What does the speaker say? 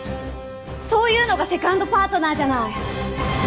そういうのがセカンドパートナーじゃない。